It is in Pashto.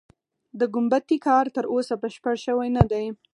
د ګومبتې کار تر اوسه بشپړ شوی نه دی.